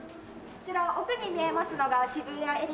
こちら奥に見えますのが渋谷エリア。